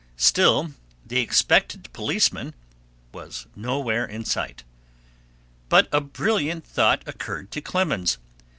Still the expected policeman was nowhere in sight; but a brilliant thought occurred to Clemens.